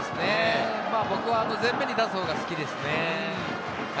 僕は前面に出す方が好きですね。